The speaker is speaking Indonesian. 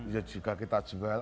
ya juga kita jual